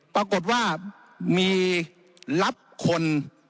ปรากฏว่ามีรับคน